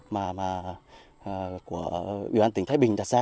mà của ủy ban tỉnh thái bình đặt ra